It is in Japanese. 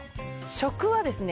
食はですね